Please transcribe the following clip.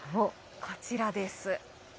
こちらです。